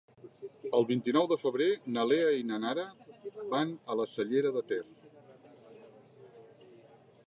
El vint-i-nou de febrer na Lea i na Nara van a la Cellera de Ter.